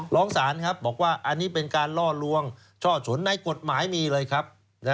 ร้องศาลครับบอกว่าอันนี้เป็นการล่อลวงช่อฉนในกฎหมายมีเลยครับ